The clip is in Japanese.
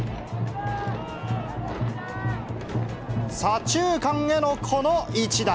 左中間へのこの一打。